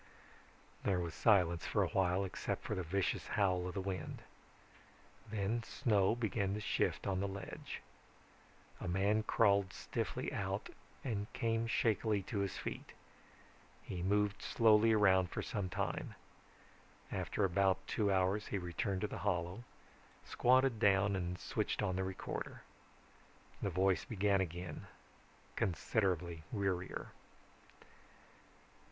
There was silence for a while except for the vicious howl of the wind. Then snow began to shift on the ledge. A man crawled stiffly out and came shakily to his feet. He moved slowly around for some time. After about two hours he returned to the hollow, squatted down and switched on the recorder. The voice began again, considerably wearier.